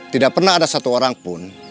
tidak pernah ada satu orang pun